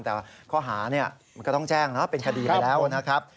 แต่ข้อหามันก็ต้องแจ้งนะเป็นคดีไปแล้วนะครับ